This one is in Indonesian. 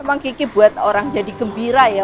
emang kiki buat orang jadi gembira ya